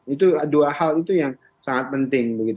itu dua hal itu yang sangat penting